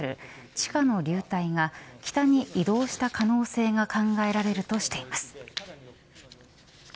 地下の流体が北に移動した可能性が考えられるとしています。